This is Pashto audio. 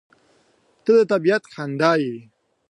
• ته د طبیعت خندا یې.